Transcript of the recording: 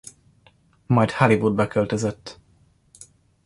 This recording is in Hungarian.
Majd Hollywoodba költözött.